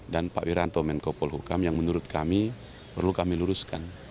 dan pak wiranto menko polhukam yang menurut kami perlu kami luruskan